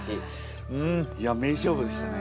いや名勝負でしたね。